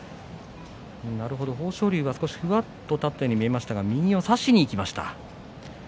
豊昇龍は少しふわっとあたったように見えましたが右を差しにいきました。